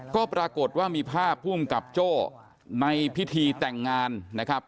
ก็ปรากฏว่ามีภาพภูมิกับโจ้ในพิธีแต่งงานนะครับ